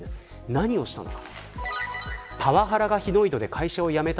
何をしたのか。